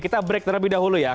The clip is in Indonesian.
kita break terlebih dahulu ya